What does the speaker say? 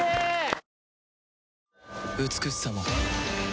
美しさも